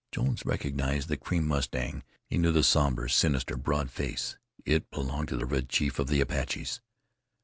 Jones recognized the cream mustang; he knew the somber, sinister, broad face. It belonged to the Red Chief of the Apaches.